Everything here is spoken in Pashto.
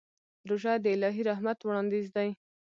روژه د الهي رحمت وړاندیز دی.